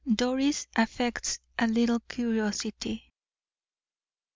DORIS AFFECTS A LITTLE CURIOSITY.